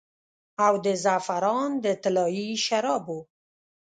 او د زعفران د طلايي شرابو